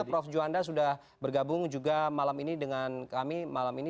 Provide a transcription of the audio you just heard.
prof juanda sudah bergabung juga malam ini dengan kami malam ini